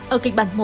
ở kịch bản một